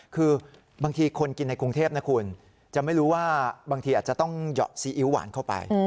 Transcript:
คือบางทีคนกินในกรุงเทพนะคุณจะไม่รู้ว่าบางทีอาจจะต้องเหยาะซีอิ๊วหวานเข้าไป